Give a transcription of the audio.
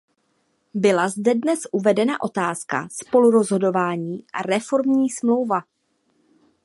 Byla zde dnes uvedena otázka spolurozhodování a reformní smlouva.